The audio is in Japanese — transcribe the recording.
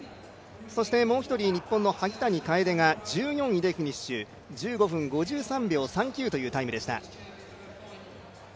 そしてもう一人、日本の萩谷楓が１４位でフィニッシュ１５分５３秒３９というタイムでした。